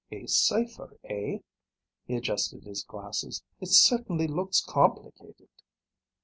"A cipher, eh?" He adjusted his glasses. "It certainly looks complicated."